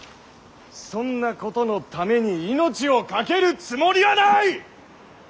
そんなことのために命を懸けるつもりはない！